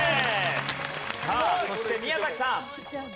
さあそして宮崎さん。